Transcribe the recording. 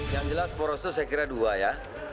yang jelas poros itu saya kira dua ya